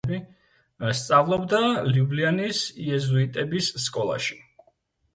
სწავლობდა ლიუბლიანის იეზუიტების სკოლაში.